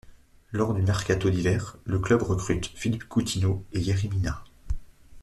Lors du mercato d'hiver, le club recrute Philippe Coutinho et Yerry Mina.